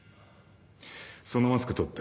そのマスク取って。